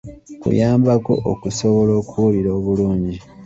Kuyambako okusobola okuwulira obulungi.